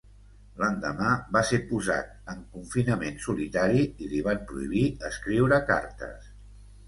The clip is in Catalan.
L'endemà va ser posat en confinament solitari i li van prohibir escriure cartes.